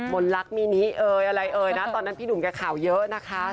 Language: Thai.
มนต์รักมินิอะไรนะตอนนั้นพี่หนุ่มแก่ข่าวเยอะนะคะ